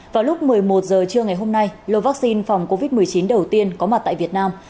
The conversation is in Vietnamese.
vào lúc một mươi một h trưa ngày hôm nay lô vaccine phòng covid một mươi chín đầu tiên có mặt tại việt nam